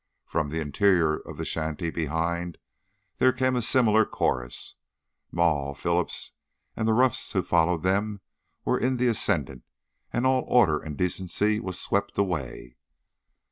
From the interior of the shanty behind there came a similar chorus. Maule, Phillips, and the roughs who followed them were in the ascendant, and all order and decency was swept away.